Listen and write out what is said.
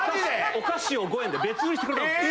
お菓子を５円で別売りしてくれたんです。